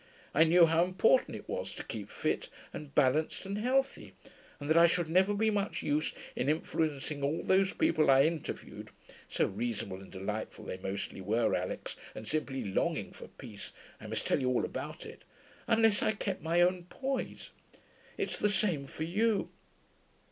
I knew how important it was to keep fit and balanced and healthy, and that I should never be much use in influencing all those people I interviewed (so reasonable and delightful they mostly were, Alix, and simply longing for peace I must tell you all about it) unless I kept my own poise. It's the same for you.